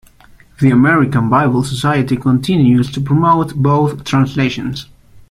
The American Bible Society continues to promote both translations.